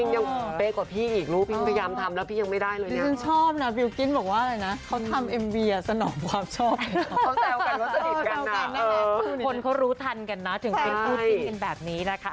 ยังเป็นกว่าพี่อีกพยายามทำแล้วพี่ยังไม่ได้เลย